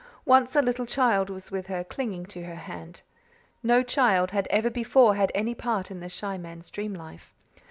Once a little child was with her, clinging to her hand. No child had ever before had any part in the shy man's dream life.